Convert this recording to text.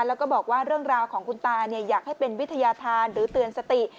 แล้วก็บอกว่าเรื่องราวของคุณตาอยากให้เป็นวิทยาธารหรือเตือนสติ